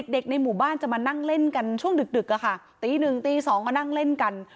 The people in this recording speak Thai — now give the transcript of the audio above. ในหมู่บ้านจะมานั่งเล่นกันช่วงดึกตีหนึ่งตีสองก็นั่งเล่นกัน